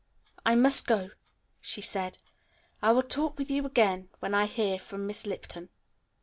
"I must go," she said. "I will talk with you again when I hear from Miss Lipton."